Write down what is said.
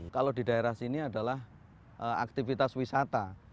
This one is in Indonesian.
kalau di daerah sini adalah aktivitas wisata